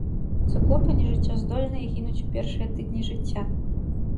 Цыклопы нежыццяздольныя і гінуць у першыя тыдні жыцця.